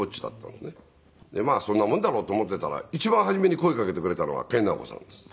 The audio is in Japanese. でまあそんなもんだろうと思っていたら一番初めに声かけてくれたのが研ナオコさんです。